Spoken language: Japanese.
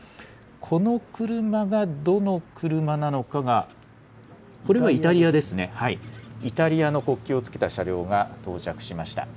この車がどの車なのかが、これはイタリアですね、イタリアの国旗をつけた車両が到着しました。